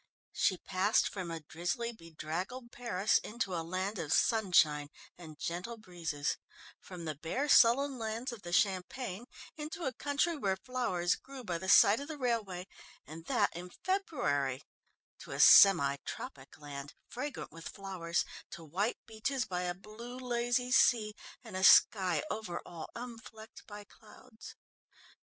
She passed from a drizzly, bedraggled Paris into a land of sunshine and gentle breezes; from the bare sullen lands of the Champagne, into a country where flowers grew by the side of the railway, and that in February; to a semi tropic land, fragrant with flowers, to white beaches by a blue, lazy sea and a sky over all unflecked by clouds.